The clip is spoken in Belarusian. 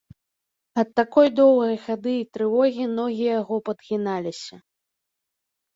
Ад такой доўгай хады і трывогі ногі яго падгіналіся.